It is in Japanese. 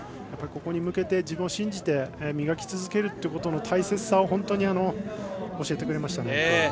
ここに向けて自分を信じて磨き続けることの大切さを本当に教えてくれましたね。